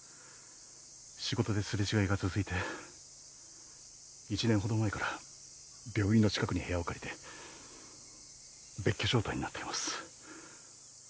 仕事ですれ違いが続いて１年ほど前から病院の近くに部屋を借りて別居状態になっています